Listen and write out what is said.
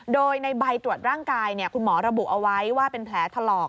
โดยในใบตรวจร่างกายคุณหมอระบุเอาไว้ว่าเป็นแผลถลอก